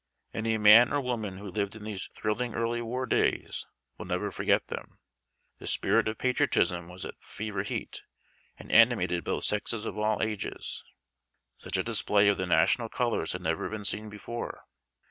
Any man or woman who lived in those thrilling early war days will never forget them. The spirit of patriotism was at fever heat, and animated both sexes of all ages. Such a display of the national colors had never been seen before.